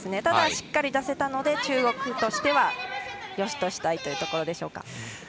ただ、しっかり出せたので中国としてはよしとしたいところでしょうか。